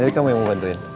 jadi kamu yang mau bantuin